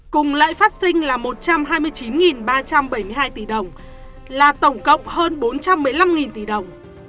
cùng lãi phát sinh là một trăm hai mươi chín ba trăm bảy mươi hai tỷ đồng là tổng cộng hơn bốn trăm một mươi năm tỷ đồng